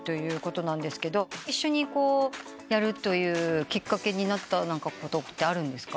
一緒にやるというきっかけになったことってあるんですか？